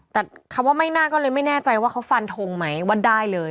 แต่คำว่าไม่น่าก็เลยไม่แน่ใจว่าเขาฟันทงไหมว่าได้เลย